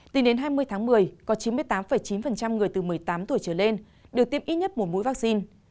tính đến hai mươi tháng một mươi có chín mươi tám chín người từ một mươi tám tuổi trở lên được tiêm ít nhất một mũi vaccine